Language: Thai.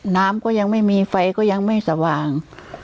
น้ำก็ยังไม่มีไฟก็ยังไม่สว่าง